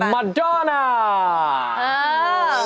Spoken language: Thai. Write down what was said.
มันจ้อนา